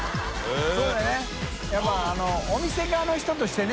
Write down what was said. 修Δ世やっぱお店側の人としてね。